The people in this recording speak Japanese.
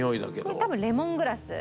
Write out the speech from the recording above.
これ多分レモングラス。